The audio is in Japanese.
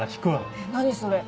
えっ何それ。